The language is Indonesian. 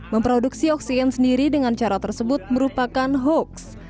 memproduksi oksigen sendiri dengan cara tersebut merupakan hoax